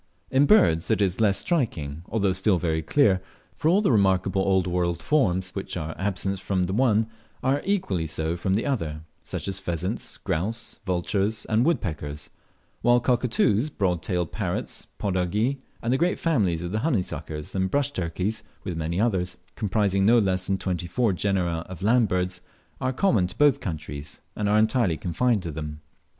In birds it is less striking, although still very clear, for all the remarkable old world forms which are absent from the one are equally so from the other, such as Pheasants, Grouse, Vultures, and Woodpeckers; while Cockatoos, Broad tailed Parrots, Podargi, and the great families of the Honeysuckers and Brush turkeys, with many others, comprising no less than twenty four genera of land birds, are common to both countries, and are entirely confined to them.